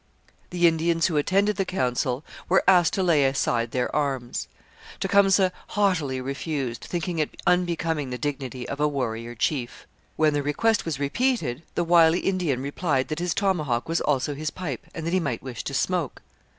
The Indians who attended the council were asked to lay aside their arms. Tecumseh haughtily refused, thinking it unbecoming the dignity of a warrior chief. When the request was repeated, the wily Indian replied that his tomahawk was also his pipe and that he might wish to smoke.